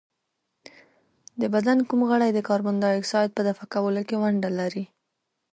د بدن کوم غړی د کاربن ډای اکساید په دفع کولو کې ونډه لري؟